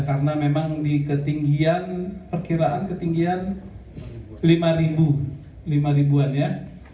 karena memang di ketinggian perkiraan ketinggian lima ribuan ya